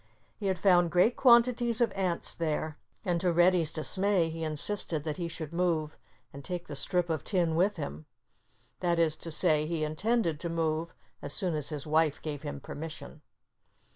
He had found great quantities of ants there. And to Reddy's dismay he insisted that he should move and take the strip of tin with him. That is to say, he intended to move as soon as his wife gave him permission.